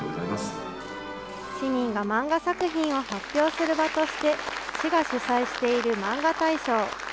市民が漫画作品を発表する場として、市が主催しているマンガ大賞。